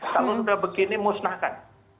kalau sudah begini musnahkan